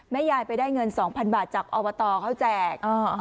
ยายไปได้เงิน๒๐๐๐บาทจากอบตเขาแจก